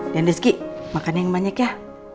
den rizky makan yang banyak ya